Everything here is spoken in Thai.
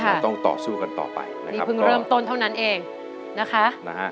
เราต้องต่อสู้กันต่อไปนะครับนี่เพิ่งเริ่มต้นเท่านั้นเองนะคะนะฮะ